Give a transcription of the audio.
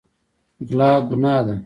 غلا ګناه ده.